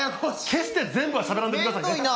決して全部はしゃべらんでくださいね。